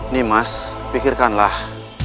nih mas pikirkanlah